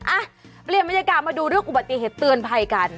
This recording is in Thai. อ่ะเปลี่ยนบรรยากาศมาดูเรื่องอุบัติเหตุเตือนภัยกัน